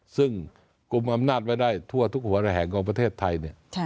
ซึ่งกลุ่มอำนาจไว้ได้ทั่วทุกหัวระแห่งของประเทศไทย